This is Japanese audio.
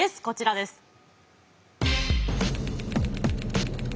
こちらです。